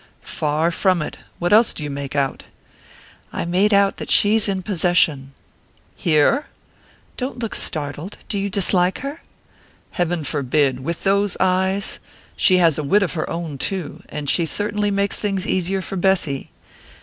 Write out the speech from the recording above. "Far from it! What else do you make out?" "I make out that she's in possession." "Here?" "Don't look startled. Do you dislike her?" "Heaven forbid with those eyes! She has a wit of her own, too and she certainly makes things easier for Bessy."